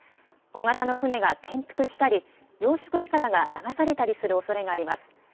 小型の船が転覆したり養殖いかだが流されたりするおそれがあります。